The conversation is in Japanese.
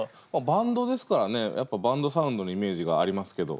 バンドですからねやっぱバンドサウンドのイメージがありますけど。